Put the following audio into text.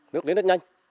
nước lên rất nhanh